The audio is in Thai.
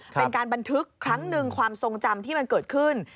เป็นการบันทึกครั้งหนึ่งความทรงจำที่มันเกิดขึ้น